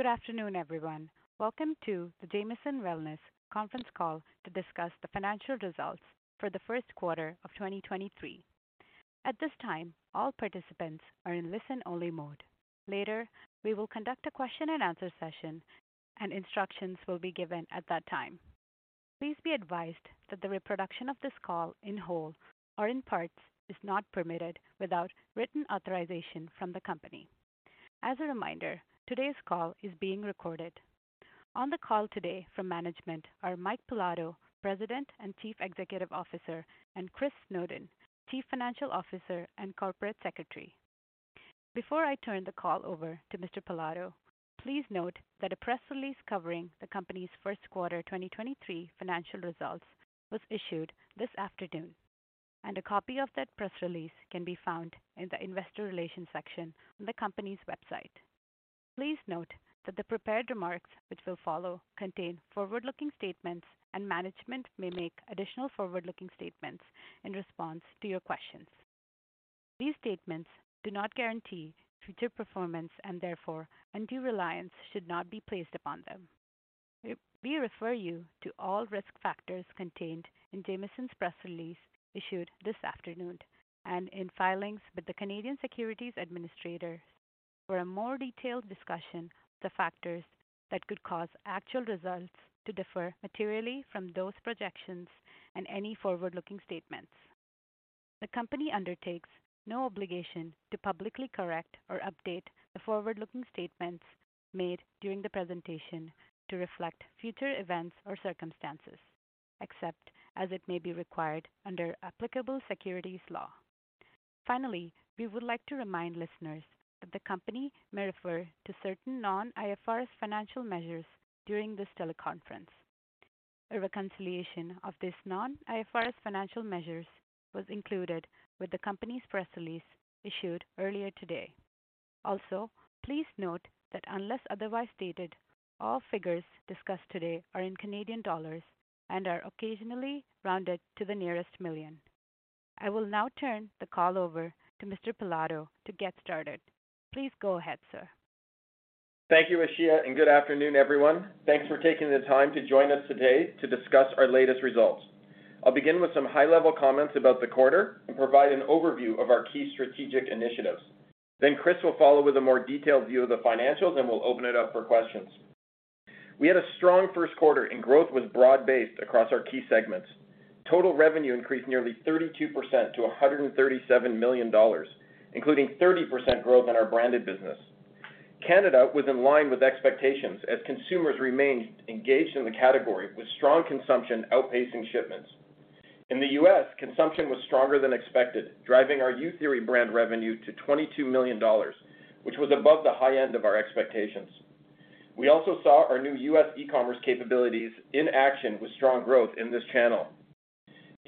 Good afternoon, everyone. Welcome to the Jamieson Wellness conference call to discuss the financial results for the first quarter of 2023. At this time, all participants are in listen-only mode. Later, we will conduct a question-and-answer session and instructions will be given at that time. Please be advised that the reproduction of this call in whole or in part is not permitted without written authorization from the company. As a reminder, today's call is being recorded. On the call today from management are Mike Pilato, President and Chief Executive Officer, and Chris Snowden, Chief Financial Officer and Corporate Secretary. Before I turn the call over to Mr. Pilato, please note that a press release covering the company's first quarter 2023 financial results was issued this afternoon. A copy of that press release can be found in the investor relations section on the company's website. Please note that the prepared remarks which will follow contain forward-looking statements and management may make additional forward-looking statements in response to your questions. These statements do not guarantee future performance and therefore undue reliance should not be placed upon them. We refer you to all risk factors contained in Jamieson's press release issued this afternoon and in filings with the Canadian Securities Administrators for a more detailed discussion of the factors that could cause actual results to differ materially from those projections and any forward-looking statements. The company undertakes no obligation to publicly correct or update the forward-looking statements made during the presentation to reflect future events or circumstances, except as it may be required under applicable securities law. Finally, we would like to remind listeners that the company may refer to certain non-IFRS financial measures during this teleconference. A reconciliation of this non-IFRS financial measures was included with the company's press release issued earlier today. Also, please note that unless otherwise stated, all figures discussed today are in Canadian dollars and are occasionally rounded to the nearest million. I will now turn the call over to Mr. Pilato to get started. Please go ahead, sir. Thank you, Aisha. Good afternoon, everyone. Thanks for taking the time to join us today to discuss our latest results. I'll begin with some high-level comments about the quarter and provide an overview of our key strategic initiatives. Chris will follow with a more detailed view of the financials, and we'll open it up for questions. We had a strong first quarter. Growth was broad-based across our key segments. Total revenue increased nearly 32% to 137 million dollars, including 30% growth in our branded business. Canada was in line with expectations as consumers remained engaged in the category with strong consumption outpacing shipments. In the U.S., consumption was stronger than expected, driving our Youtheory brand revenue to $22 million, which was above the high end of our expectations. We also saw our new U.S. e-commerce capabilities in action with strong growth in this channel.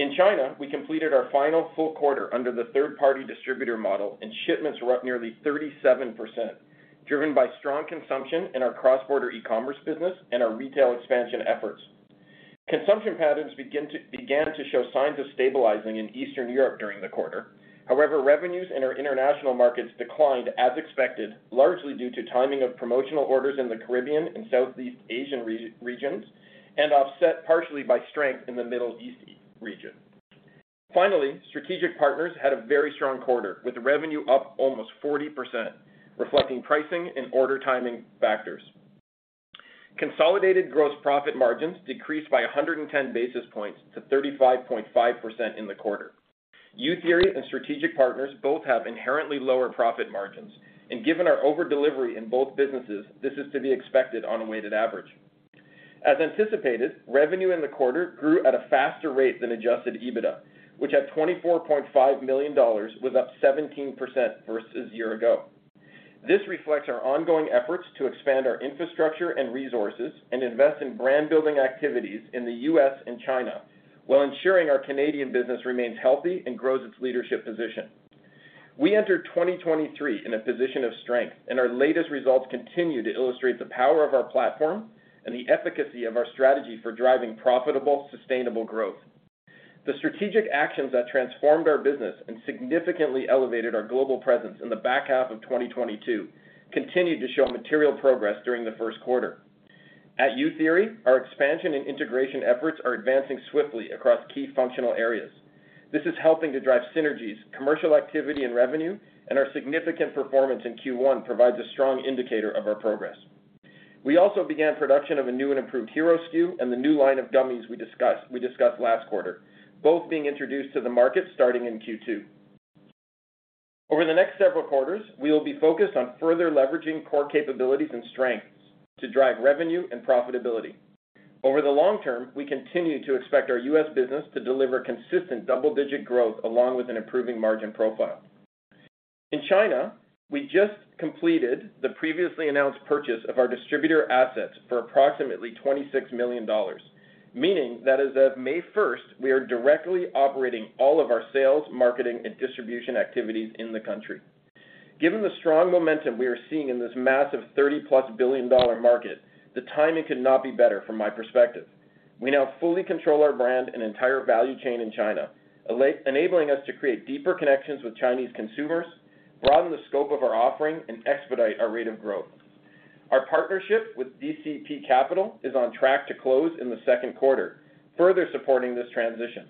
In China, we completed our final full quarter under the third-party distributor model, shipments were up nearly 37%, driven by strong consumption in our cross-border e-commerce business and our retail expansion efforts. Consumption patterns began to show signs of stabilizing in Eastern Europe during the quarter. However, revenues in our international markets declined as expected, largely due to timing of promotional orders in the Caribbean and Southeast Asian regions and offset partially by strength in the Middle East region. Finally, Strategic Partners had a very strong quarter, with revenue up almost 40%, reflecting pricing and order timing factors. Consolidated gross profit margins decreased by 110 basis points to 35.5% in the quarter. Youtheory and Strategic Partners both have inherently lower profit margins. Given our over delivery in both businesses, this is to be expected on a weighted average. As anticipated, revenue in the quarter grew at a faster rate than adjusted EBITDA, which at 24.5 million dollars was up 17% versus year ago. This reflects our ongoing efforts to expand our infrastructure and resources and invest in brand building activities in the U.S. and China while ensuring our Canadian business remains healthy and grows its leadership position. We entered 2023 in a position of strength. Our latest results continue to illustrate the power of our platform and the efficacy of our strategy for driving profitable, sustainable growth. The strategic actions that transformed our business and significantly elevated our global presence in the back half of 2022 continued to show material progress during the first quarter. At Youtheory, our expansion and integration efforts are advancing swiftly across key functional areas. This is helping to drive synergies, commercial activity, and revenue, and our significant performance in Q1 provides a strong indicator of our progress. We also began production of a new and improved hero SKU and the new line of gummies we discussed last quarter, both being introduced to the market starting in Q2. Over the next several quarters, we will be focused on further leveraging core capabilities and strengths to drive revenue and profitability. Over the long term, we continue to expect our U.S. business to deliver consistent double-digit growth along with an improving margin profile. In China, we just completed the previously announced purchase of our distributor assets for approximately $26 million, meaning that as of May first, we are directly operating all of our sales, marketing, and distribution activities in the country. Given the strong momentum we are seeing in this massive $30+ billion market, the timing could not be better from my perspective. We now fully control our brand and entire value chain in China, enabling us to create deeper connections with Chinese consumers, broaden the scope of our offering, and expedite our rate of growth. Our partnership with DCP Capital is on track to close in the second quarter, further supporting this transition.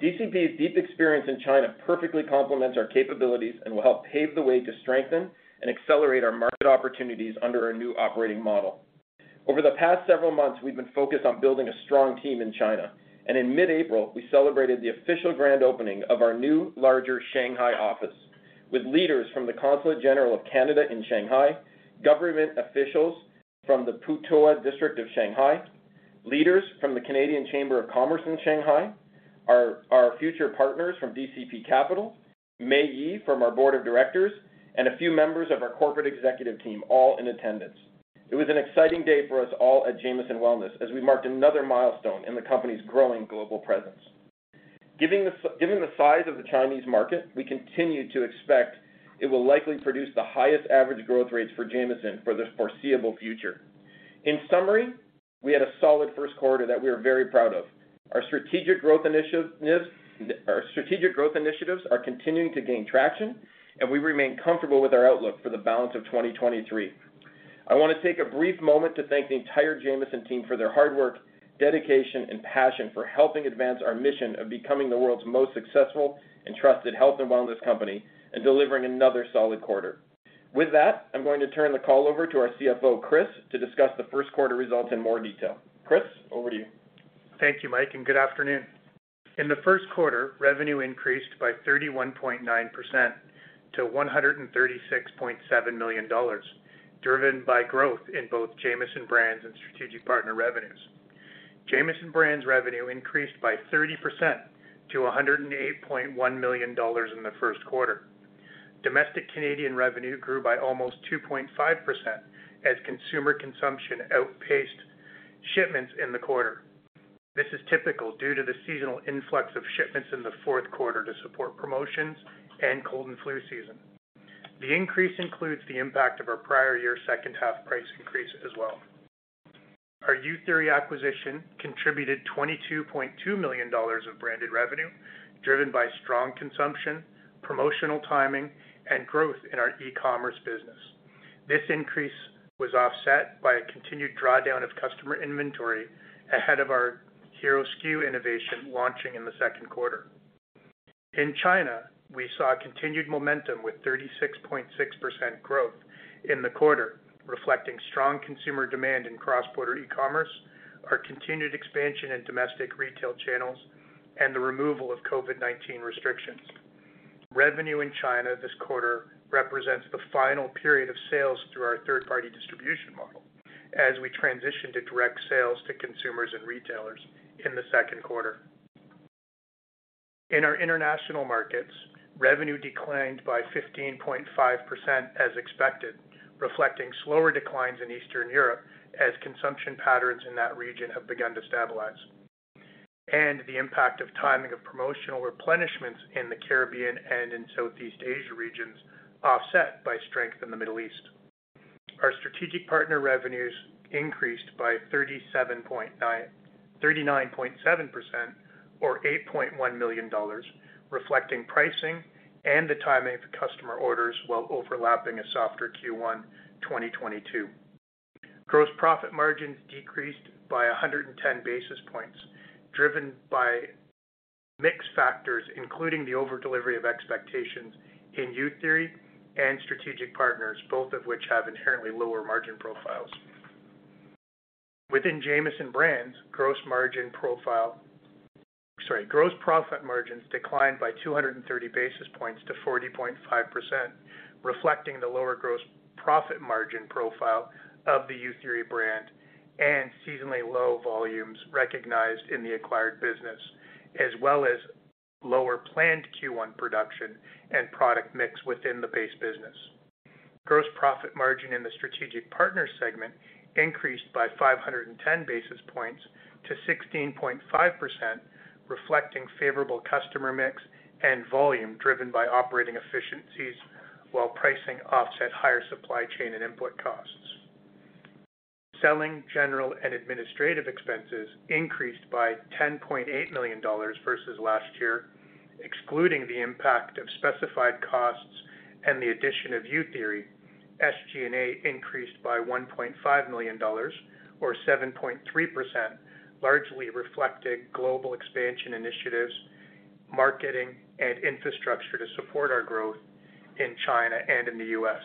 DCP's deep experience in China perfectly complements our capabilities and will help pave the way to strengthen and accelerate our market opportunities under our new operating model. Over the past several months, we've been focused on building a strong team in China. In mid-April, we celebrated the official grand opening of our new, larger Shanghai office with leaders from the Consulate General of Canada in Shanghai, government officials from the Putuo District of Shanghai, leaders from the Canadian Chamber of Commerce in Shanghai, our future partners from DCP Capital, Mei Ye from our board of directors, and a few members of our corporate executive team, all in attendance. It was an exciting day for us all at Jamieson Wellness as we marked another milestone in the company's growing global presence. Given the size of the Chinese market, we continue to expect it will likely produce the highest average growth rates for Jamieson for the foreseeable future. In summary, we had a solid first quarter that we are very proud of. Our strategic growth initiatives are continuing to gain traction. We remain comfortable with our outlook for the balance of 2023. I wanna take a brief moment to thank the entire Jamieson team for their hard work, dedication, and passion for helping advance our mission of becoming the world's most successful and trusted health and wellness company, and delivering another solid quarter. With that, I'm going to turn the call over to our CFO, Chris, to discuss the first quarter results in more detail. Chris, over to you. Thank you, Mike, and good afternoon. In the first quarter, revenue increased by 31.9% to 136.7 million dollars, driven by growth in both Jamieson Brands and Strategic Partners revenues. Jamieson Brands revenue increased by 30% to 108.1 million dollars in the first quarter. Domestic Canadian revenue grew by almost 2.5% as consumer consumption outpaced shipments in the quarter. This is typical due to the seasonal influx of shipments in the fourth quarter to support promotions and cold and flu season. The increase includes the impact of our prior year second half price increase as well. Our Youtheory acquisition contributed $22.2 million of branded revenue, driven by strong consumption, promotional timing, and growth in our e-commerce business. This increase was offset by a continued drawdown of customer inventory ahead of our hero SKU innovation launching in the second quarter. In China, we saw continued momentum with 36.6% growth in the quarter, reflecting strong consumer demand in cross-border e-commerce, our continued expansion in domestic retail channels, and the removal of COVID-19 restrictions. Revenue in China this quarter represents the final period of sales through our third-party distribution model, as we transition to direct sales to consumers and retailers in the second quarter. In our international markets, revenue declined by 15.5% as expected, reflecting slower declines in Eastern Europe as consumption patterns in that region have begun to stabilize. The impact of timing of promotional replenishments in the Caribbean and in Southeast Asia regions, offset by strength in the Middle East. Our Strategic Partner revenues increased by 37.9-- 39.7% or 8.1 million dollars, reflecting pricing and the timing of customer orders while overlapping a softer Q1 2022. Gross profit margins decreased by 110 basis points, driven by mix factors including the over-delivery of expectations in Youtheory and Strategic Partners, both of which have inherently lower margin profiles. Within Jamieson Brands, gross margin profile. Sorry. Gross profit margins declined by 230 basis points to 40.5%, reflecting the lower gross profit margin profile of the Youtheory brand and seasonally low volumes recognized in the acquired business, as well as lower planned Q1 production and product mix within the base business. Gross profit margin in the Strategic Partner segment increased by 510 basis points to 16.5%, reflecting favorable customer mix and volume driven by operating efficiencies while pricing offset higher supply chain and input costs. Selling, general, and administrative expenses increased by 10.8 million dollars versus last year. Excluding the impact of specified costs and the addition of Youtheory, SG&A increased by 1.5 million dollars or 7.3%, largely reflecting global expansion initiatives, marketing, and infrastructure to support our growth in China and in the U.S.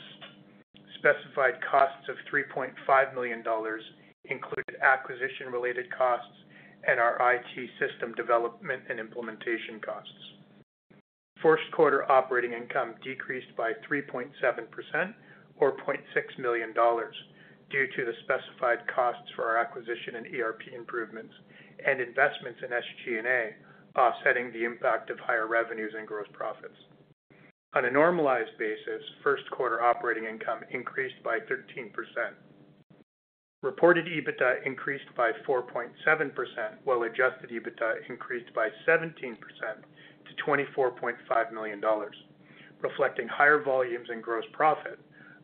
Specified costs of 3.5 million dollars included acquisition-related costs and our IT system development and implementation costs. First quarter operating income decreased by 3.7% or 0.6 million dollars due to the specified costs for our acquisition and ERP improvements and investments in SG&A offsetting the impact of higher revenues and gross profits. On a normalized basis, first quarter operating income increased by 13%. Reported EBITDA increased by 4.7%, while adjusted EBITDA increased by 17% to 24.5 million dollars, reflecting higher volumes in gross profit,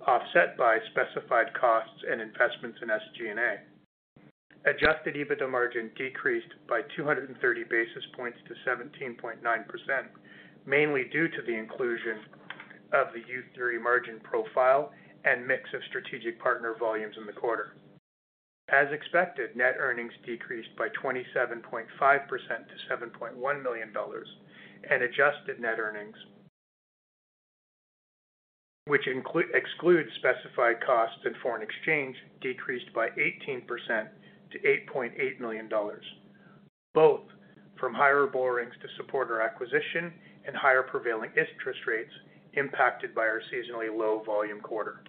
offset by specified costs and investments in SG&A. Adjusted EBITDA margin decreased by 230 basis points to 17.9%, mainly due to the inclusion of the Youtheory margin profile and mix of strategic partner volumes in the quarter. As expected, net earnings decreased by 27.5% to 7.1 million dollars. Adjusted net earnings, which excludes specified costs and foreign exchange, decreased by 18% to 8.8 million dollars, both from higher borrowings to support our acquisition and higher prevailing interest rates impacted by our seasonally low volume quarter.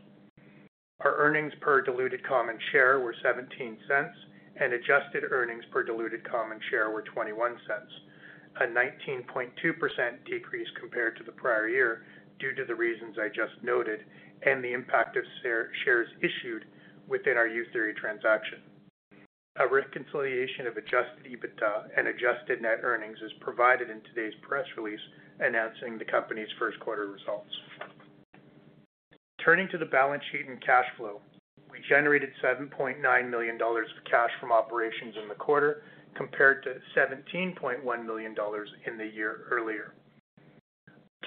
Our earnings per diluted common share were 0.17. Adjusted earnings per diluted common share were 0.21, a 19.2% decrease compared to the prior year due to the reasons I just noted and the impact of shares issued within our Youtheory transaction. A reconciliation of adjusted EBITDA and adjusted net earnings is provided in today's press release announcing the company's first quarter results. Turning to the balance sheet and cash flow, we generated $7.9 million of cash from operations in the quarter compared to $17.1 million in the year earlier.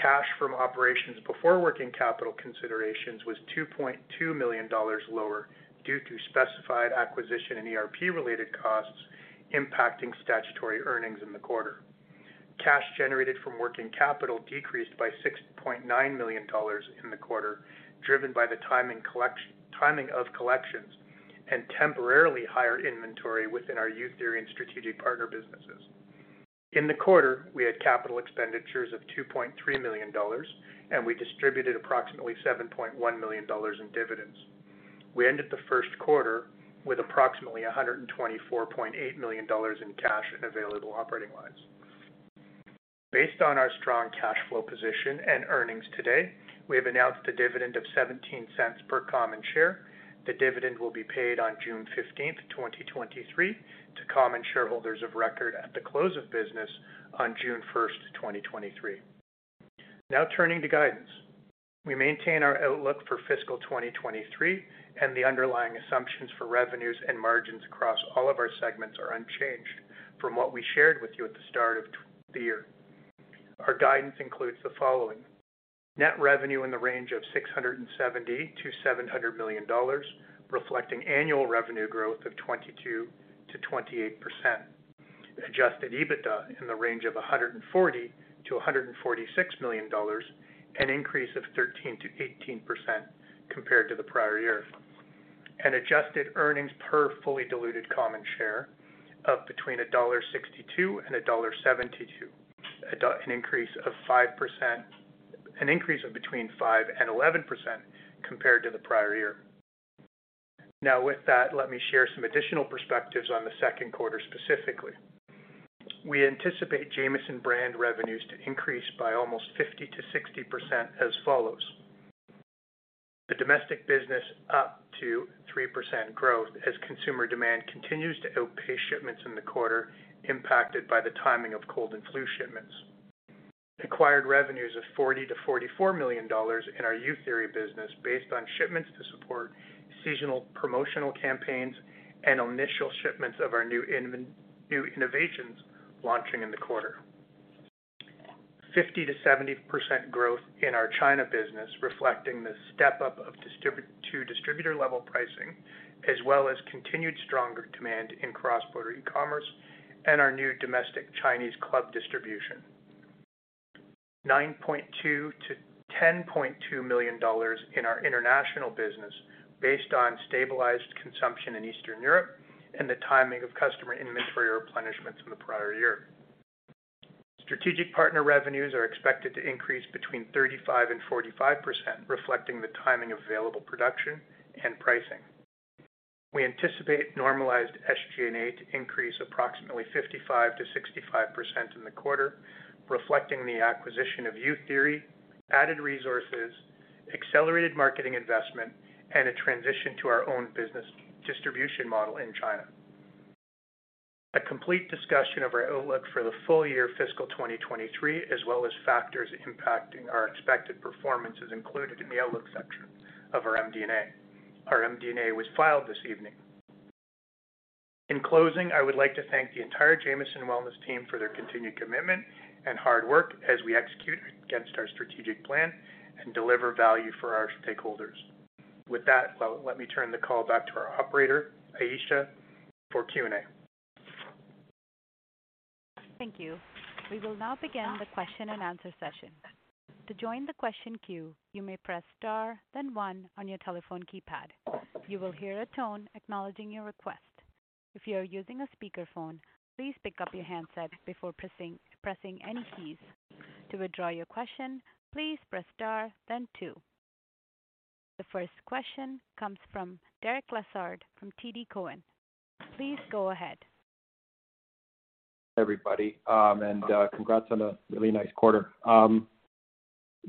Cash from operations before working capital considerations was $2.2 million lower due to specified acquisition and ERP-related costs impacting statutory earnings in the quarter. Cash generated from working capital decreased by $6.9 million in the quarter, driven by the timing of collections and temporarily higher inventory within our Youtheory and Strategic Partners businesses. In the quarter, we had capital expenditures of $2.3 million, we distributed approximately $7.1 million in dividends. We ended the first quarter with approximately $124.8 million in cash and available operating lines. Based on our strong cash flow position and earnings today, we have announced a dividend of 0.17 per common share. The dividend will be paid on June 15, 2023 to common shareholders of record at the close of business on June 1, 2023. Now turning to guidance. We maintain our outlook for fiscal 2023, the underlying assumptions for revenues and margins across all of our segments are unchanged from what we shared with you at the start of the year. Our guidance includes the following: Net revenue in the range of 670 million-700 million dollars, reflecting annual revenue growth of 22%-28%. Adjusted EBITDA in the range of 140 million-146 million dollars, an increase of 13%-18% compared to the prior year. Adjusted earnings per fully diluted common share of between $1.62 and $1.72, an increase of between 5% and 11% compared to the prior year. With that, let me share some additional perspectives on the second quarter specifically. We anticipate Jamieson brand revenues to increase by almost 50%-60% as follows: The domestic business up to 3% growth as consumer demand continues to outpace shipments in the quarter, impacted by the timing of cold and flu shipments. Acquired revenues of $40 million-$44 million in our Youtheory business based on shipments to support seasonal promotional campaigns and initial shipments of our new innovations launching in the quarter. 50%-70% growth in our China business, reflecting the step-up of to distributor-level pricing, as well as continued stronger demand in cross-border e-commerce and our new domestic Chinese club distribution. 9.2 million-10.2 million dollars in our international business based on stabilized consumption in Eastern Europe and the timing of customer inventory replenishments from the prior year. Strategic partner revenues are expected to increase between 35% and 45%, reflecting the timing of available production and pricing. We anticipate normalized SG&A to increase approximately 55%-65% in the quarter, reflecting the acquisition of Youtheory, added resources, accelerated marketing investment, and a transition to our own business distribution model in China. A complete discussion of our outlook for the full year fiscal 2023, as well as factors impacting our expected performance, is included in the outlook section of our MD&A. Our MD&A was filed this evening. In closing, I would like to thank the entire Jamieson Wellness team for their continued commitment and hard work as we execute against our strategic plan and deliver value for our stakeholders. With that, well, let me turn the call back to our operator, Aisha, for Q&A. Thank you. We will now begin the question-and-answer session. To join the question queue, you may press star then 1 on your telephone keypad. You will hear a tone acknowledging your request. If you are using a speakerphone, please pick up your handset before pressing any keys. To withdraw your question, please press star then 2. The first question comes from Derek Lessard from TD Cowen. Please go ahead. Everybody, congrats on a really nice quarter.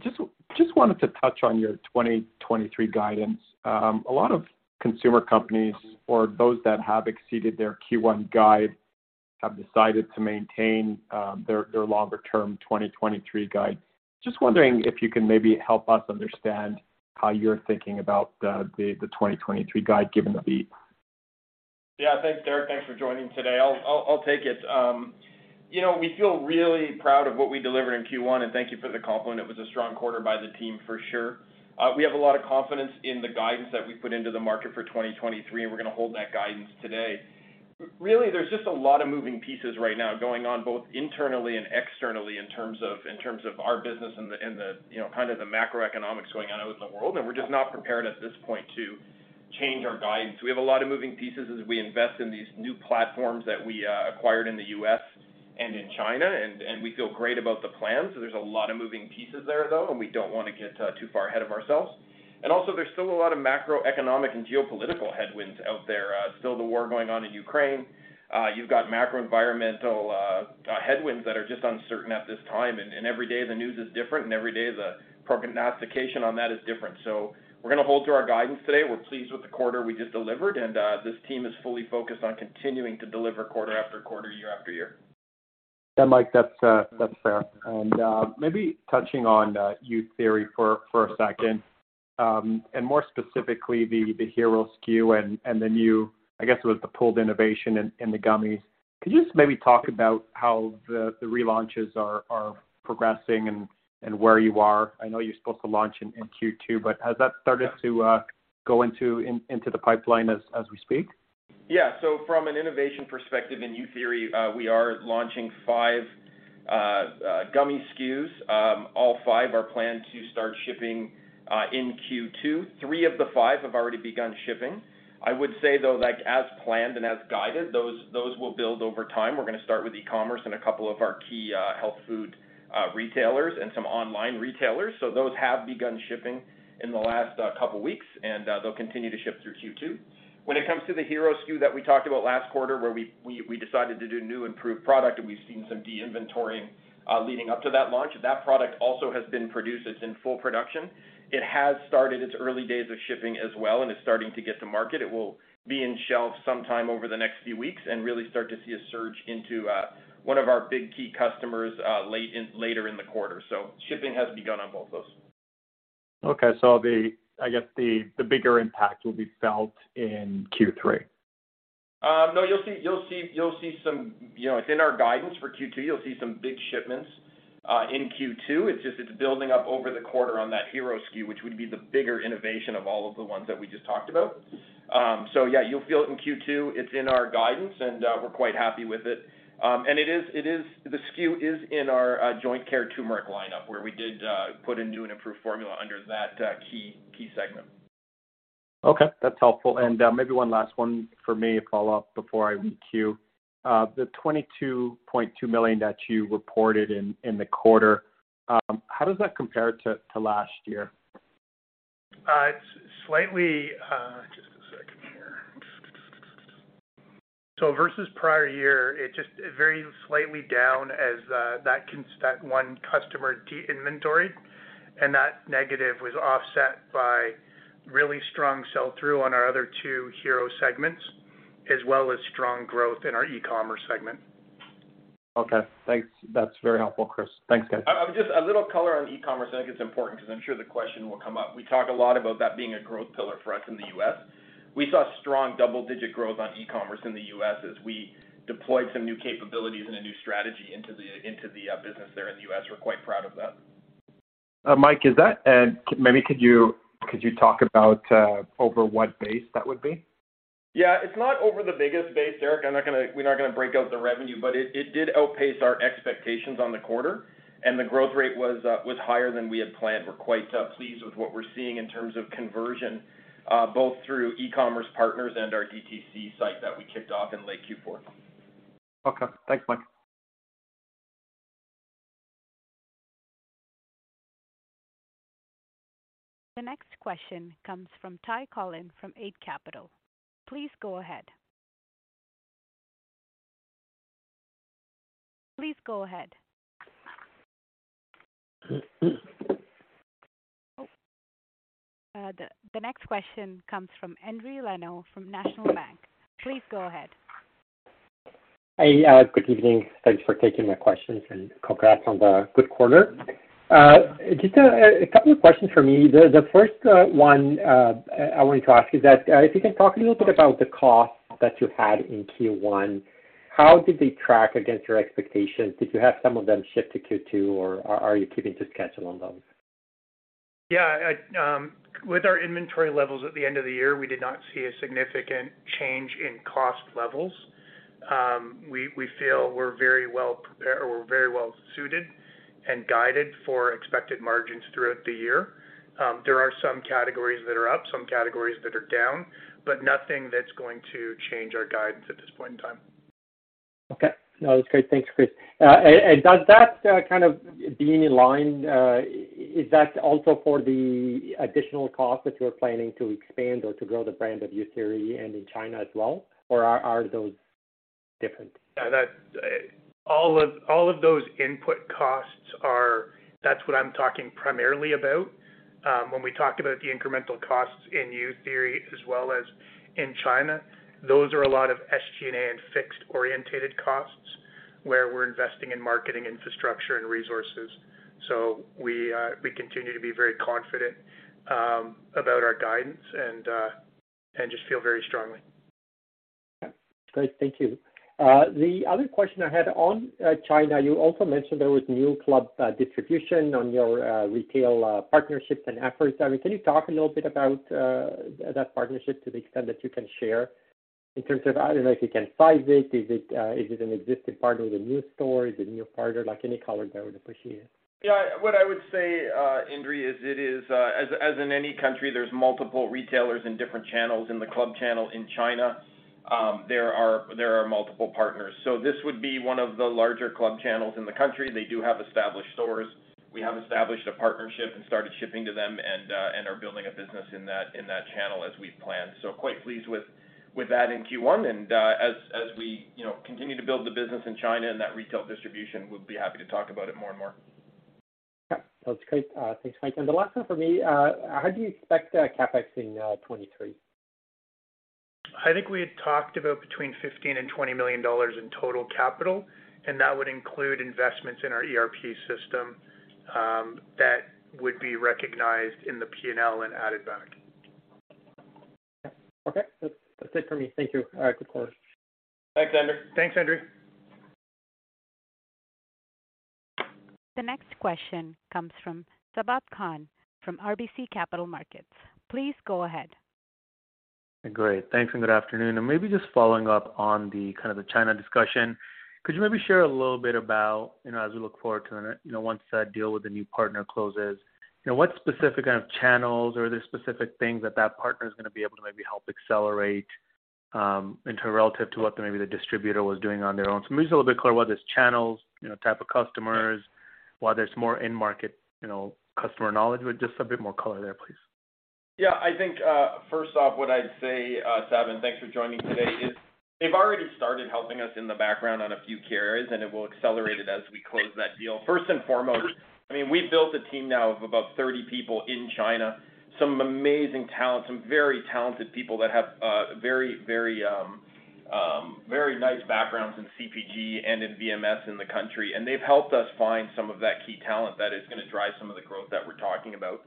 Just wanted to touch on your 2023 guidance. A lot of consumer companies or those that have exceeded their Q1 guide have decided to maintain their longer term 2023 guide. Just wondering if you can maybe help us understand how you're thinking about the 2023 guide given the beat? Thanks, Derek. Thanks for joining today. I'll take it. You know, we feel really proud of what we delivered in Q1, and thank you for the compliment. It was a strong quarter by the team for sure. We have a lot of confidence in the guidance that we put into the market for 2023, and we're gonna hold that guidance today. Really, there's just a lot of moving pieces right now going on both internally and externally in terms of our business and the, you know, kind of the macroeconomics going on out in the world, and we're just not prepared at this point to change our guidance. We have a lot of moving pieces as we invest in these new platforms that we acquired in the US and in China, and we feel great about the plans. There's a lot of moving pieces there, though, and we don't wanna get too far ahead of ourselves. There's still a lot of macroeconomic and geopolitical headwinds out there. Still the war going on in Ukraine. You've got macro environmental headwinds that are just uncertain at this time. Every day the news is different and every day the prognostication on that is different. We're gonna hold to our guidance today. We're pleased with the quarter we just delivered, and this team is fully focused on continuing to deliver quarter after quarter, year after year. Yeah, Mike, that's fair. Maybe touching on Youtheory for a second, and more specifically the hero SKU and the new, I guess it was the pulled innovation in the gummies. Can you just maybe talk about how the relaunches are progressing and where you are? I know you're supposed to launch in Q2, but has that started to go into the pipeline as we speak? From an innovation perspective in Youtheory, we are launching 5 gummy SKUs. All 5 are planned to start shipping in Q2. 3 of the 5 have already begun shipping. I would say though, like, as planned and as guided, those will build over time. We're gonna start with e-commerce and a couple of our key health food retailers and some online retailers. Those have begun shipping in the last couple weeks, and they'll continue to ship through Q2. When it comes to the hero SKU that we talked about last quarter where we decided to do new improved product and we've seen some de-inventorying leading up to that launch, that product also has been produced. It's in full production. It has started its early days of shipping as well and is starting to get to market. It will be in shelves sometime over the next few weeks and really start to see a surge into one of our big key customers later in the quarter. Shipping has begun on both those. Okay. I guess the bigger impact will be felt in Q3. No, you'll see some. You know, it's in our guidance for Q2. You'll see some big shipments in Q2. It's just, it's building up over the quarter on that hero SKU, which would be the bigger innovation of all of the ones that we just talked about. Yeah, you'll feel it in Q2. It's in our guidance, and we're quite happy with it. It is. The SKU is in our joint care turmeric lineup where we did put into an improved formula under that key segment. Okay. That's helpful. Maybe one last one for me, a follow-up before I queue. The $22.2 million that you reported in the quarter, how does that compare to last year? It's slightly. Just a second here. Versus prior year it's just very slightly down as that one customer de-inventoried and that negative was offset by really strong sell through on our other 2 hero segments as well as strong growth in our e-commerce segment. Okay, thanks. That's very helpful, Chris. Thanks, guys. Just a little color on e-commerce. I think it's important 'cause I'm sure the question will come up. We talk a lot about that being a growth pillar for us in the US. We saw strong double digit growth on e-commerce in the US as we deployed some new capabilities and a new strategy into the business there in the US. We're quite proud of that. Mike, is that, maybe could you talk about, over what base that would be? Yeah. It's not over the biggest base, Eric. I'm not gonna, we're not gonna break out the revenue, but it did outpace our expectations on the quarter, and the growth rate was higher than we had planned. We're quite pleased with what we're seeing in terms of conversion, both through e-commerce partners and our DTC site that we kicked off in late Q4. Okay. Thanks, Mike. The next question comes from Ty Collin from Eight Capital. Please go ahead. Oh. The next question comes from Andrew Evershed from National Bank. Please go ahead. Hey, good evening. Thanks for taking my questions, congrats on the good quarter. Just a couple of questions from me. The first one I wanted to ask is that if you can talk a little bit about the costs that you had in Q1, how did they track against your expectations? Did you have some of them shift to Q2 or are you keeping to schedule on those? Yeah. With our inventory levels at the end of the year, we did not see a significant change in cost levels. We feel we're very well suited and guided for expected margins throughout the year. There are some categories that are up, some categories that are down, nothing that's going to change our guidance at this point in time. Okay. No, that's great. Thanks, Chris. Does that kind of being in line, is that also for the additional cost if you're planning to expand or to grow the brand of Youtheory in China as well? Or are those-Different. That's what I'm talking primarily about when we talked about the incremental costs in Youtheory as well as in China, those are a lot of SG&A and fixed-orientated costs where we're investing in marketing infrastructure and resources. We continue to be very confident about our guidance and just feel very strongly. Great. Thank you. The other question I had on China, you also mentioned there was new club distribution on your retail partnerships and efforts. I mean, can you talk a little bit about that partnership to the extent that you can share in terms of I don't know if you can size it, is it an existing partner with a new store? Is it a new partner? Like, any color there would appreciate. Yeah. What I would say, Andrew, is it is, as in any country, there's multiple retailers in different channels. In the club channel in China, there are multiple partners. This would be one of the larger club channels in the country. They do have established stores. We have established a partnership and started shipping to them and are building a business in that, in that channel as we've planned. Quite pleased with that in Q1. As we, you know, continue to build the business in China and that retail distribution, we'll be happy to talk about it more and more. Yeah. That's great. Thanks, Mike. The last one for me, how do you expect CapEx in 2023? I think we had talked about between 15 million and 20 million dollars in total capital, and that would include investments in our ERP system, that would be recognized in the P&L and added back. Okay. That's it for me. Thank you. All right. Good call. Thanks, Andrew. The next question comes from Sabahat Khan from RBC Capital Markets. Please go ahead. Great. Thanks, and good afternoon. Maybe just following up on the kind of the China discussion, could you maybe share a little bit about, you know, as we look forward to, you know, once that deal with the new partner closes, you know, what specific kind of channels or the specific things that that partner is gonna be able to maybe help accelerate into relative to what the maybe the distributor was doing on their own. I'm just a little bit clear whether it's channels, you know, type of customers, whether there's more end market, you know, customer knowledge. Just a bit more color there, please. Yeah, I think, first off, what I'd say, Sabahat, and thanks for joining today, is they've already started helping us in the background on a few carriers, and it will accelerate it as we close that deal. First and foremost, I mean, we've built a team now of about 30 people in China, some amazing talent, some very talented people that have, very, very, very nice backgrounds in CPG and in VMS in the country. They've helped us find some of that key talent that is gonna drive some of the growth that we're talking about.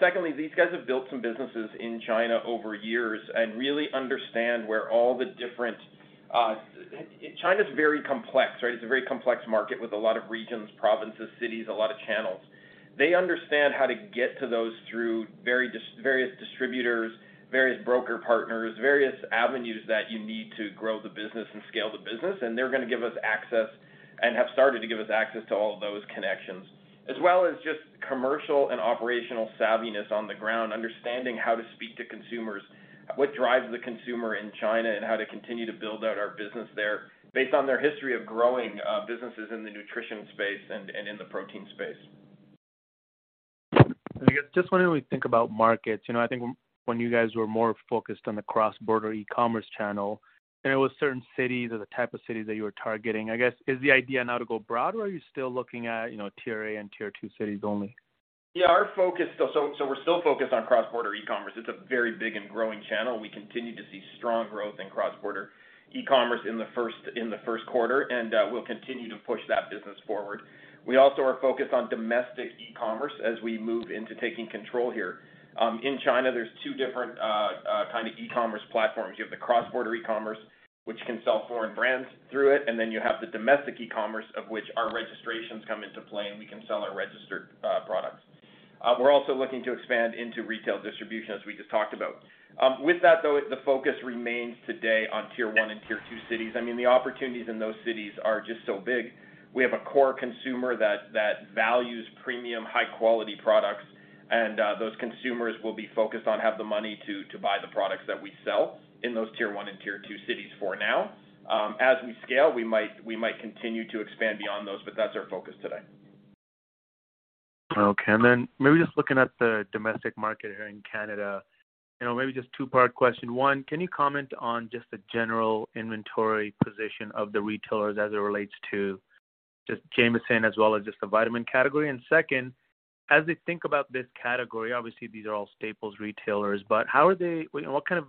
Secondly, these guys have built some businesses in China over years and really understand where all the different China's very complex, right? It's a very complex market with a lot of regions, provinces, cities, a lot of channels. They understand how to get to those through very various distributors, various broker partners, various avenues that you need to grow the business and scale the business. They're gonna give us access and have started to give us access to all of those connections. As well as just commercial and operational savviness on the ground, understanding how to speak to consumers, what drives the consumer in China, and how to continue to build out our business there based on their history of growing businesses in the nutrition space and in the protein space. I guess just when we think about markets, you know, I think when you guys were more focused on the cross-border e-commerce channel and it was certain cities or the type of cities that you were targeting, I guess, is the idea now to go broad or are you still looking at, you know, tier A and tier 2 cities only? Yeah, our focus... we're still focused on cross-border e-commerce. It's a very big and growing channel. We continue to see strong growth in cross-border e-commerce in the first quarter, and we'll continue to push that business forward. We also are focused on domestic e-commerce as we move into taking control here. In China, there's 2 different kind of e-commerce platforms. You have the cross-border e-commerce, which can sell foreign brands through it, and then you have the domestic e-commerce of which our registrations come into play, and we can sell our registered products. We're also looking to expand into retail distribution as we just talked about. With that, though, the focus remains today on tier 1 and tier 2 cities. I mean, the opportunities in those cities are just so big. We have a core consumer that values premium high-quality products, and those consumers will be focused on have the money to buy the products that we sell in those tier 1 and tier 2 cities for now. As we scale, we might continue to expand beyond those, but that's our focus today. Okay. Then maybe just looking at the domestic market here in Canada, you know, maybe just 2-part question. 1, can you comment on just the general inventory position of the retailers as it relates to just Jamieson as well as just the vitamin category? Second, as they think about this category, obviously these are all staples retailers, but how are they what kind of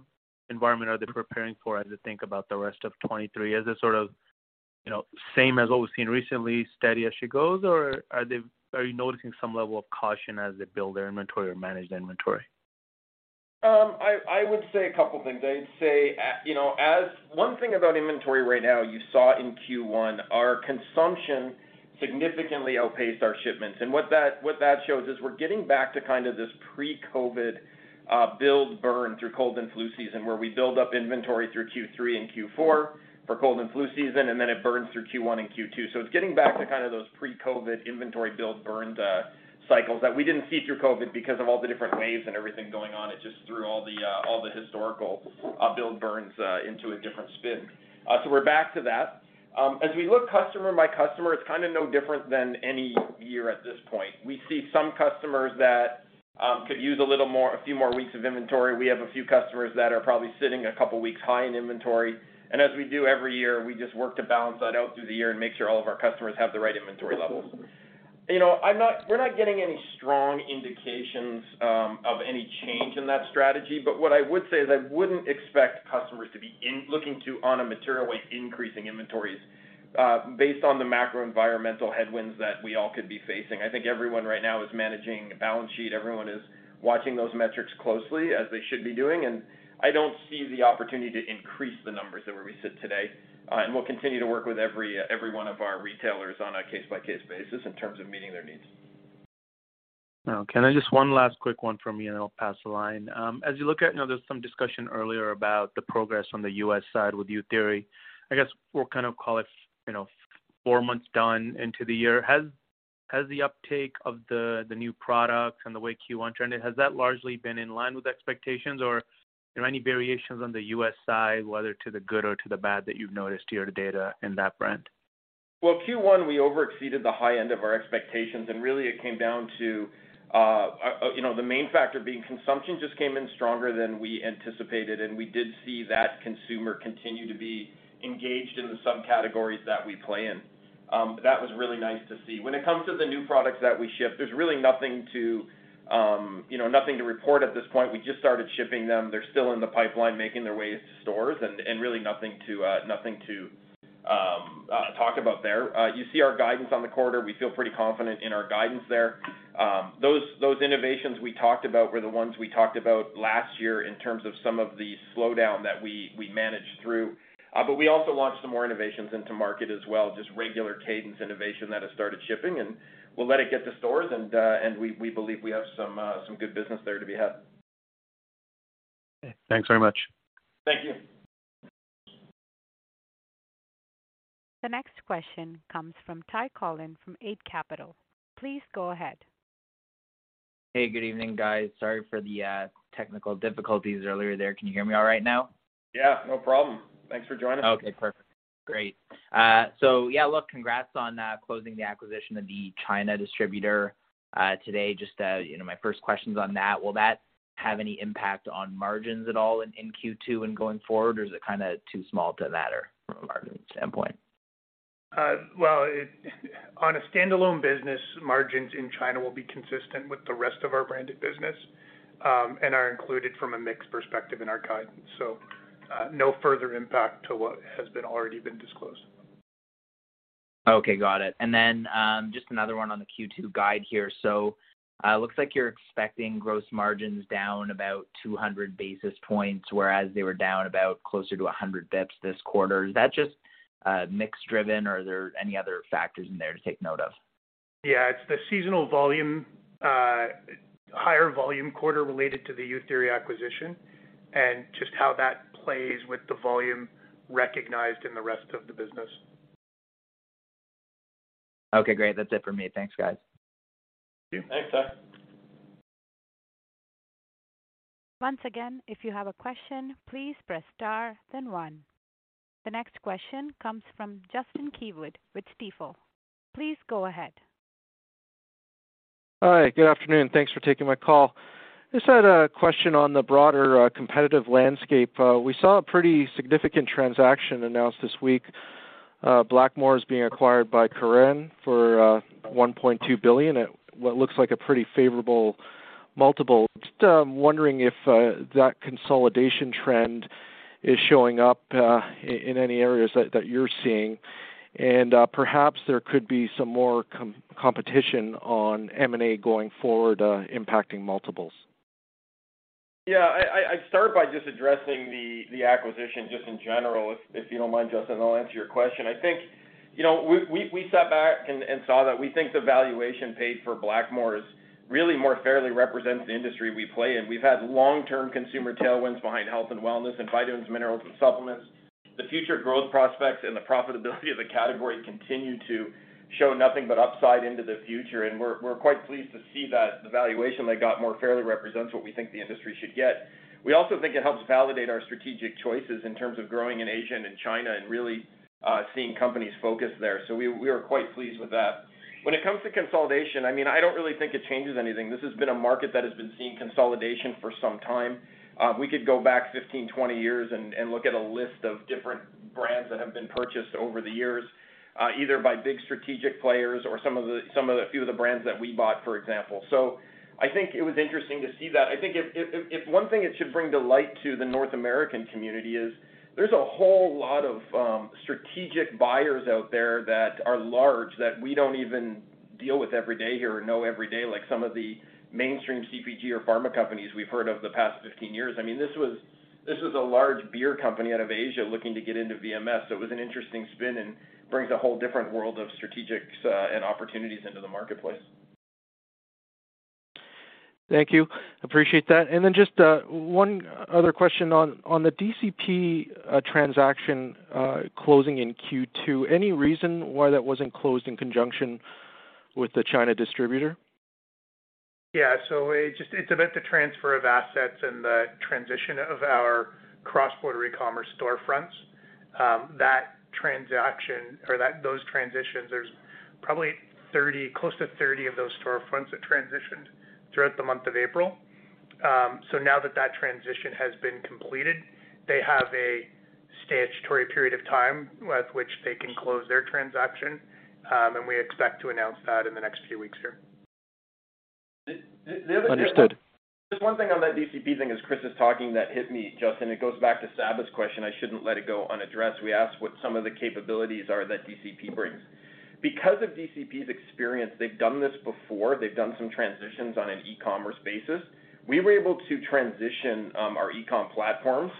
environment are they preparing for as they think about the rest of 23? Is it sort of, you know, same as what we've seen recently, steady as she goes, or are you noticing some level of caution as they build their inventory or manage the inventory? I would say a couple things. I'd say, you know, as one thing about inventory right now, you saw in Q1, our consumption significantly outpaced our shipments. What that shows is we're getting back to kind of this pre-COVID build burn through cold and flu season, where we build up inventory through Q3 and Q4 for cold and flu season, and then it burns through Q1 and Q2. It's getting back to kind of those pre-COVID inventory build burn cycles that we didn't see through COVID because of all the different waves and everything going on. It just threw all the, all the historical build burns into a different spin. We're back to that. As we look customer by customer, it's kinda no different than any year at this point. We see some customers that could use a few more weeks of inventory. We have a few customers that are probably sitting a couple weeks high in inventory. As we do every year, we just work to balance that out through the year and make sure all of our customers have the right inventory levels. You know, we're not getting any strong indications of any change in that strategy, but what I would say is I wouldn't expect customers looking to on a materially increasing inventories based on the macro environmental headwinds that we all could be facing. I think everyone right now is managing balance sheet. Everyone is watching those metrics closely as they should be doing, and I don't see the opportunity to increase the numbers of where we sit today. We'll continue to work with every one of our retailers on a case-by-case basis in terms of meeting their needs. Okay. Just one last quick one from me, and I'll pass the line. As you look at, you know, there's some discussion earlier about the progress on the U.S. side with Youtheory. I guess we'll kind of call it, you know, 4 months done into the year. Has the uptake of the new products and the way Q1 turned in, has that largely been in line with expectations? Are there any variations on the U.S. side, whether to the good or to the bad that you've noticed to your data in that brand? Well, Q1, we over exceeded the high end of our expectations. Really, it came down to, you know, the main factor being consumption just came in stronger than we anticipated. We did see that consumer continue to be engaged in the subcategories that we play in. That was really nice to see. When it comes to the new products that we ship, there's really nothing to, you know, nothing to report at this point. We just started shipping them. They're still in the pipeline, making their way to stores and really nothing to, nothing to talk about there. You see our guidance on the quarter. We feel pretty confident in our guidance there. Those innovations we talked about were the ones we talked about last year in terms of some of the slowdown that we managed through. We also launched some more innovations into market as well, just regular cadence innovation that has started shipping, and we'll let it get to stores, and we believe we have some good business there to be had. Thanks very much. Thank you. The next question comes from Ty Collin from Eight Capital. Please go ahead. Hey, good evening, guys. Sorry for the technical difficulties earlier there. Can you hear me all right now? Yeah, no problem. Thanks for joining. Okay, perfect. Great. Yeah, look, congrats on closing the acquisition of the China distributor today. Just, you know, my first question's on that. Will that have any impact on margins at all in Q2 and going forward, or is it kinda too small to matter from a margin standpoint? Well, on a standalone business, margins in China will be consistent with the rest of our branded business, and are included from a mix perspective in our guidance. No further impact to what has been already been disclosed. Okay, got it. Just another one on the Q2 guide here. Looks like you're expecting gross margins down about 200 basis points, whereas they were down about closer to 100 BPS this quarter. Is that just mix driven, or are there any other factors in there to take note of? Yeah, it's the seasonal volume, higher volume quarter related to the Youtheory acquisition and just how that plays with the volume recognized in the rest of the business. Okay, great. That's it for me. Thanks, guys. Thank you. Thanks, Ty. Once again, if you have a question, please press Star then 1. The next question comes from Justin Keywood with Stifel. Please go ahead. Hi, good afternoon. Thanks for taking my call. Just had a question on the broader competitive landscape. We saw a pretty significant transaction announced this week. Blackmores is being acquired by Kirin for $1.2 billion at what looks like a pretty favorable multiple. Just wondering if that consolidation trend is showing up in any areas that you're seeing. Perhaps there could be some more competition on M&A going forward, impacting multiples. Yeah, I'd start by just addressing the acquisition just in general, if you don't mind, Justin, I'll answer your question. I think, you know, we sat back and saw that we think the valuation paid for Blackmores is really more fairly represents the industry we play in. We've had long-term consumer tailwinds behind health and wellness and vitamins, minerals, and supplements. The future growth prospects and the profitability of the category continue to show nothing but upside into the future, and we're quite pleased to see that the valuation they got more fairly represents what we think the industry should get. We also think it helps validate our strategic choices in terms of growing in Asia and in China and really seeing companies focus there. We are quite pleased with that. When it comes to consolidation, I mean, I don't really think it changes anything. This has been a market that has been seeing consolidation for some time. we could go back 15, 20 years and look at a list of different brands that have been purchased over the years, either by big strategic players or some of the few of the brands that we bought, for example. I think it was interesting to see that. I think if one thing it should bring to light to the North American community is there's a whole lot of strategic buyers out there that are large that we don't even deal with every day here or know every day, like some of the mainstream CPG or pharma companies we've heard of the past 15 years. I mean, this was a large beer company out of Asia looking to get into VMS. It was an interesting spin and brings a whole different world of strategics and opportunities into the marketplace. Thank you. Appreciate that. Just, one other question on the DCP transaction, closing in Q2. Any reason why that wasn't closed in conjunction with the China distributor? It just, it's about the transfer of assets and the transition of our cross-border e-commerce storefronts. Those transitions, there's probably 30, close to 30 of those storefronts that transitioned throughout the month of April. Now that that transition has been completed, they have a statutory period of time with which they can close their transaction. We expect to announce that in the next few weeks here. Understood. There's one thing on that DCP thing as Chris is talking that hit me, Justin. It goes back to Saba's question, I shouldn't let it go unaddressed. We asked what some of the capabilities are that DCP brings. Because of DCP's experience, they've done this before. They've done some transitions on an e-commerce basis. We were able to transition, our e-com platforms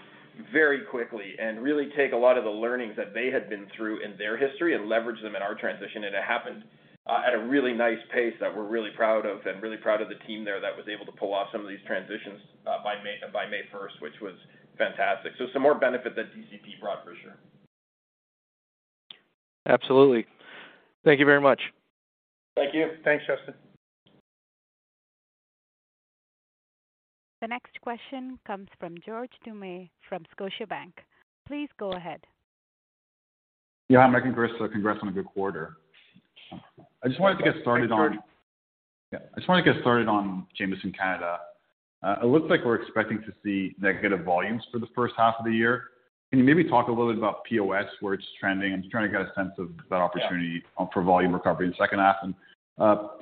very quickly and really take a lot of the learnings that they had been through in their history and leverage them in our transition. And it happened at a really nice pace that we're really proud of and really proud of the team there that was able to pull off some of these transitions by May, by May first, which was fantastic. Some more benefit that DCP brought for sure. Absolutely. Thank you very much. Thank you. Thanks, Justin. The next question comes from George Doumet from Scotiabank. Please go ahead. Yeah. My congrats on a good quarter. I just wanted to get started. Thanks, George. Yeah, I just wanted to get started on Jamieson Canada. It looks like we're expecting to see negative volumes for the first half of the year. Can you maybe talk a little bit about POS, where it's trending? I'm just trying to get a sense of that opportunity-. Yeah. -for volume recovery in the second half.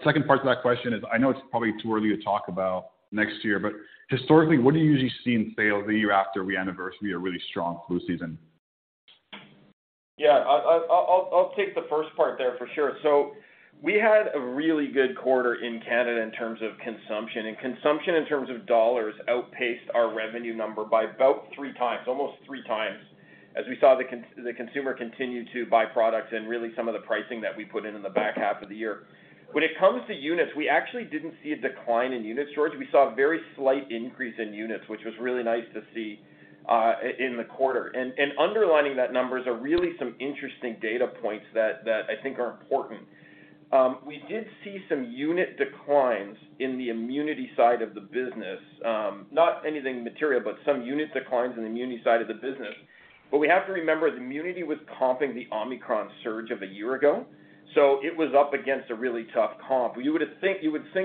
Second part to that question is, I know it's probably too early to talk about next year, but historically, what do you usually see in sales the year after we anniversary a really strong flu season? Yeah. I'll take the first part there for sure. We had a really good quarter in Canada in terms of consumption. Consumption in terms of dollars outpaced our revenue number by about 3 times, almost 3 times, as we saw the consumer continue to buy products and really some of the pricing that we put in in the back half of the year. When it comes to units, we actually didn't see a decline in units, George. We saw a very slight increase in units, which was really nice to see in the quarter. Underlining that numbers are really some interesting data points that I think are important. We did see some unit declines in the immunity side of the business. Not anything material, but some unit declines in the immunity side of the business. We have to remember, the immunity was comping the Omicron surge of a year ago, so it was up against a really tough comp. You would think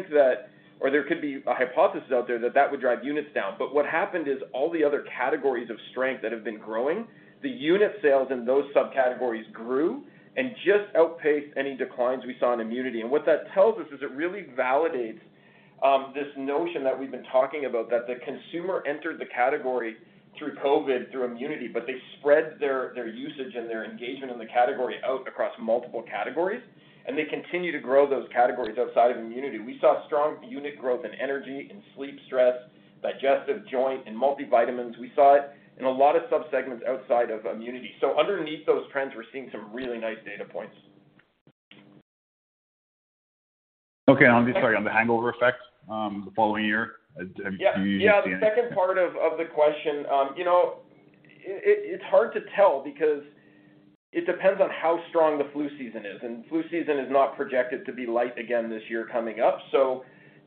that or there could be a hypothesis out there that that would drive units down. What happened is all the other categories of strength that have been growing, the unit sales in those subcategories grew and just outpaced any declines we saw in immunity. What that tells us is it really validates this notion that we've been talking about that the consumer entered the category through COVID, through immunity, but they spread their usage and their engagement in the category out across multiple categories, and they continue to grow those categories outside of immunity. We saw strong unit growth in energy, in sleep, stress, digestive, joint, and multivitamins. We saw it in a lot of subsegments outside of immunity. Underneath those trends, we're seeing some really nice data points. Okay. Just sorry, on the hangover effect, the following year, do you see any? Yeah, the second part of the question, you know, it's hard to tell because it depends on how strong the flu season is, and flu season is not projected to be light again this year coming up.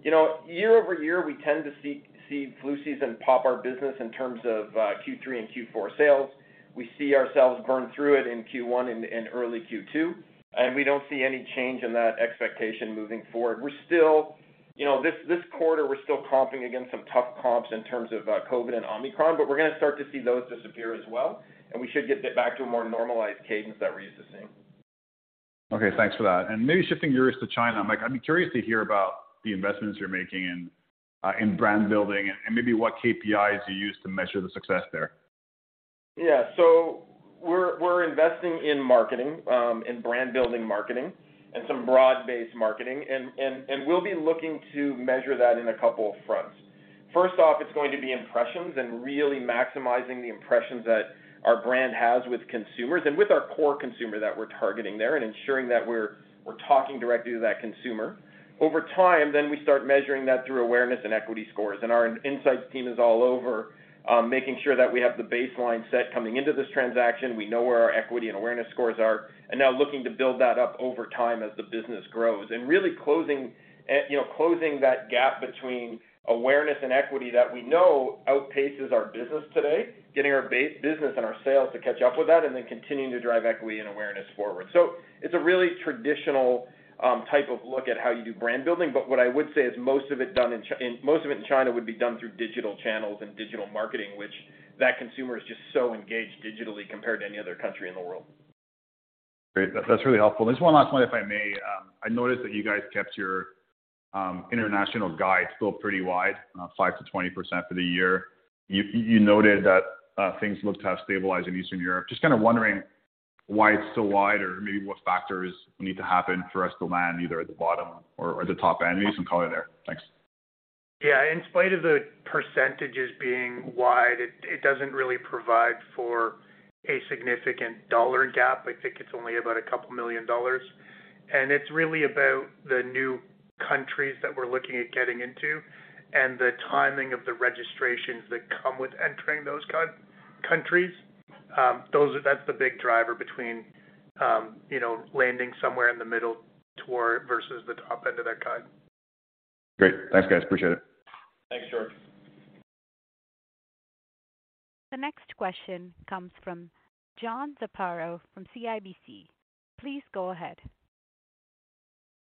You know, year-over-year, we tend to see flu season pop our business in terms of Q3 and Q4 sales. We see ourselves burn through it in Q1 and early Q2, and we don't see any change in that expectation moving forward. We're still, you know, this quarter, we're still comping against some tough comps in terms of COVID and Omicron, we're gonna start to see those disappear as well, and we should get back to a more normalized cadence that we're used to seeing. Okay, thanks for that. Maybe shifting gears to China, I'm like, I'd be curious to hear about the investments you're making in brand building and maybe what KPIs you use to measure the success there? We're investing in marketing, in brand building marketing and some broad-based marketing, and we'll be looking to measure that in a couple of fronts. First off, it's going to be impressions and really maximizing the impressions that our brand has with consumers and with our core consumer that we're targeting there and ensuring that we're talking directly to that consumer. Over time, we start measuring that through awareness and equity scores. Our insights team is all over making sure that we have the baseline set coming into this transaction. We know where our equity and awareness scores are, and now looking to build that up over time as the business grows, and really closing, you know, closing that gap between awareness and equity that we know outpaces our business today, getting our base business and our sales to catch up with that, and then continuing to drive equity and awareness forward. It's a really traditional type of look at how you do brand building. What I would say is most of it in China would be done through digital channels and digital marketing, which that consumer is just so engaged digitally compared to any other country in the world. Great. That's really helpful. Just one last one, if I may. I noticed that you guys kept your international guide still pretty wide, 5%-20% for the year. You noted that things look to have stabilized in Eastern Europe. Just kind of wondering why it's so wide or maybe what factors need to happen for us to land either at the bottom or the top end. Maybe some color there. Thanks. Yeah. In spite of the percentages being wide, it doesn't really provide for a significant dollar gap. I think it's only about a couple million CAD. It's really about the new countries that we're looking at getting into and the timing of the registrations that come with entering those countries. That's the big driver between, you know, landing somewhere in the middle toward versus the top end of that guide. Great. Thanks, guys. Appreciate it. Thanks, George. The next question comes from John Zamparo from CIBC. Please go ahead.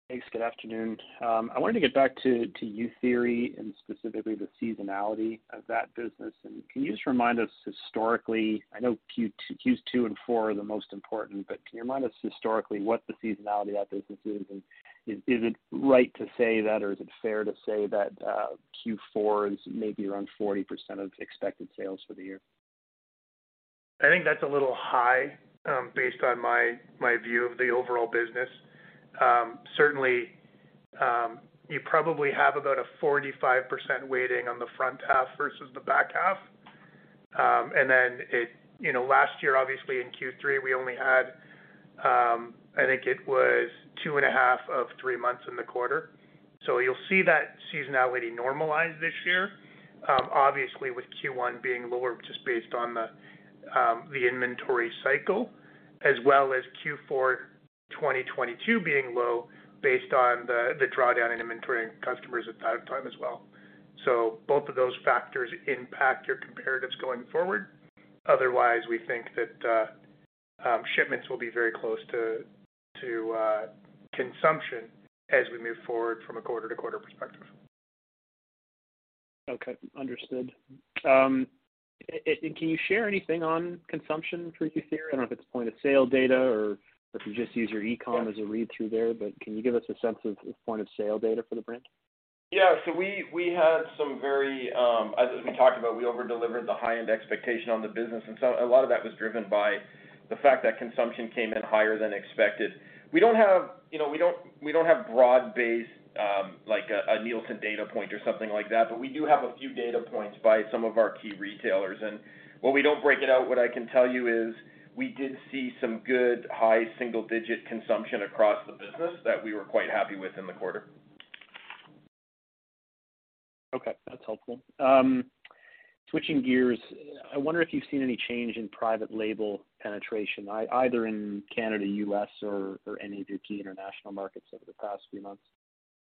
Thanks. Good afternoon. I wanted to get back to Youtheory and specifically the seasonality of that business. Can you just remind us historically, I know Qs 2 and 4 are the most important, but can you remind us historically what the seasonality of that business is? Is, is it right to say that, Q4 is maybe around 40% of expected sales for the year? I think that's a little high, based on my view of the overall business. Certainly, you probably have about a 45% weighting on the front half versus the back half. You know, last year, obviously in Q3, we only had, I think it was 2.5 of 3 months in the quarter. You'll see that seasonality normalize this year, obviously with Q1 being lower just based on the inventory cycle as well as Q4 2022 being low based on the drawdown in inventory and customers at that time as well. Both of those factors impact your comparatives going forward. Otherwise, we think that shipments will be very close to consumption as we move forward from a quarter-to-quarter perspective. Okay. Understood. Can you share anything on consumption for Youtheory? I don't know if it's point-of-sale data or if you just use your ecomm as a read-through there, but can you give us a sense of point-of-sale data for the brand? As we talked about, we over-delivered the high-end expectation on the business. A lot of that was driven by the fact that consumption came in higher than expected. We don't have, you know, we don't have broad-based, like a Nielsen data point or something like that, but we do have a few data points by some of our key retailers. While we don't break it out, what I can tell you is we did see some good high single-digit consumption across the business that we were quite happy with in the quarter. Okay. That's helpful. Switching gears, I wonder if you've seen any change in private label penetration either in Canada, US or any of your key international markets over the past few months?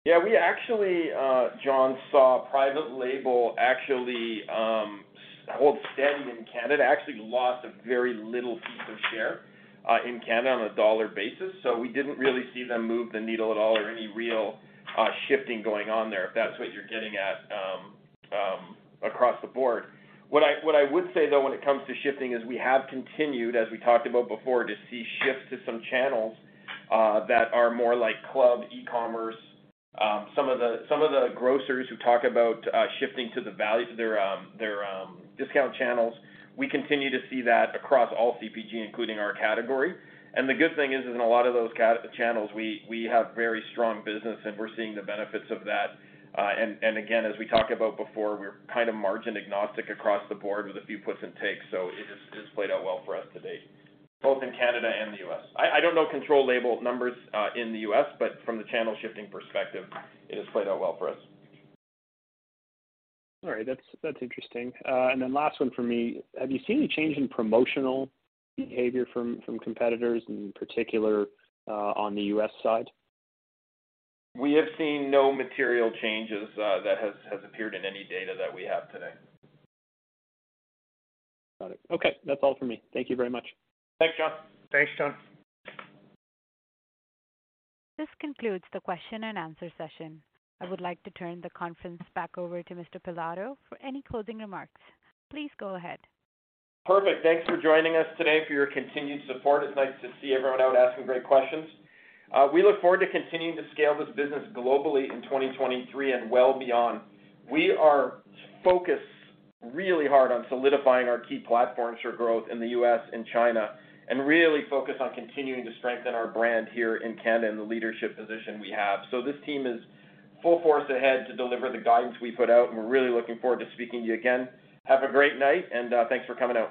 Yeah, we actually, John, saw private label actually, hold steady in Canada. Actually, lost a very little piece of share in Canada on a dollar basis. We didn't really see them move the needle at all or any real shifting going on there, if that's what you're getting at, across the board. What I would say, though, when it comes to shifting is we have continued, as we talked about before, to see shifts to some channels that are more like club e-commerce. Some of the, some of the grocers who talk about shifting to the value to their discount channels. We continue to see that across all CPG, including our category. The good thing is in a lot of those channels, we have very strong business, and we're seeing the benefits of that. Again, as we talked about before, we're kind of margin agnostic across the board with a few puts and takes. It has, it's played out well for us to date, both in Canada and the U.S. I don't know control label numbers, in the U.S., but from the channel shifting perspective, it has played out well for us. All right. That's interesting. Last one for me. Have you seen any change in promotional behavior from competitors, in particular, on the U.S. side? We have seen no material changes, that has appeared in any data that we have today. Got it. Okay. That's all for me. Thank you very much. Thanks, John. Thanks, John. This concludes the question and answer session. I would like to turn the conference back over to Mr. Pilato for any closing remarks. Please go ahead. Perfect. Thanks for joining us today, for your continued support. It's nice to see everyone out asking great questions. We look forward to continuing to scale this business globally in 2023 and well beyond. We are focused really hard on solidifying our key platforms for growth in the US and China, and really focused on continuing to strengthen our brand here in Canada and the leadership position we have. This team is full force ahead to deliver the guidance we put out, and we're really looking forward to speaking to you again. Have a great night, and thanks for coming out.